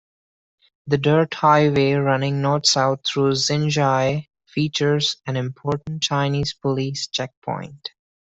The dirt highway running north-south through Xinzhai features an important Chinese police checkpoint.